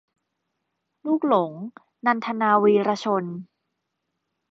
ลูกหลง - นันทนา วีระชน